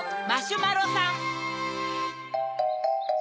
マシュマロさん！